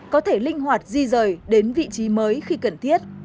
có thể linh hoạt di rời đến vị trí mới khi cần thiết